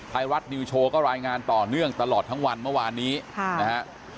ไทยรัฐนิวโชว์ก็รายงานต่อเนื่องตลอดทั้งวันเมื่อวานนี้นะฮะ